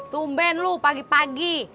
tumben lu pagi pagi